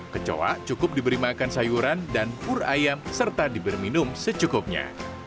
kecoa cukup diberi makan sayuran dan pur ayam serta diberi minum secukupnya